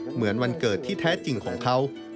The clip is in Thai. เหมือนวันเกิดที่แท้จริงของเขา